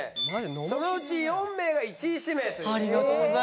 そのうち４名が１位指名という事です。